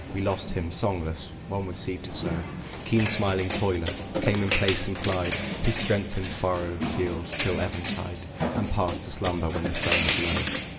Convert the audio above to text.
We lost him. Songless, one with seed to sow, Keen smiling toiler, came in place, and plied His strength in furrowed field till eventide, And passed to slumber when the sun was low.